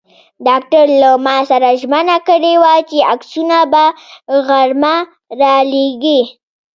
ډاکټر له ما سره ژمنه کړې وه چې عکسونه به غرمه را لېږي.